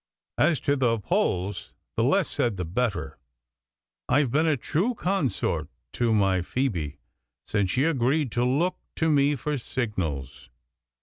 As to the Polls, the less said the better. I've been a true consort to my Phoebe since she agreed to look to me for signals.